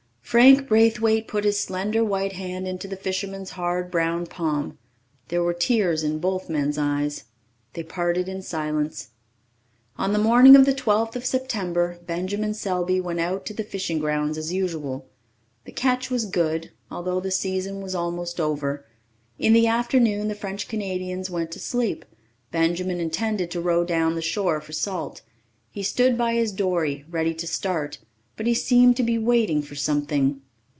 Frank Braithwaite put his slender white hand into the fisherman's hard brown palm. There were tears in both men's eyes. They parted in silence. On the morning of the 12th of September Benjamin Selby went out to the fishing grounds as usual. The catch was good, although the season was almost over. In the afternoon the French Canadians went to sleep. Benjamin intended to row down the shore for salt. He stood by his dory, ready to start, but he seemed to be waiting for something.